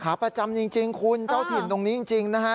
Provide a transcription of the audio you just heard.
ประจำจริงคุณเจ้าถิ่นตรงนี้จริงนะฮะ